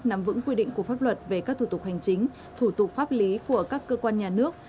nắm vững quy định của pháp luật về các thủ tục hành chính thủ tục pháp lý của các cơ quan nhà nước